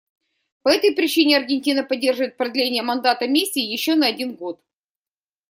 По этой причине Аргентина поддерживает продление мандата Миссии еще на один год.